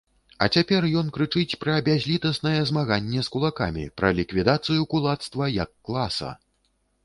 А цяпер ён крычыць пра бязлітаснае змаганне з кулакамі, пра ліквідацыю кулацтва як класа!